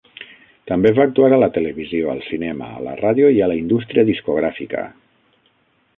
També va actuar a la televisió, al cinema, a la ràdio i a la indústria discogràfica.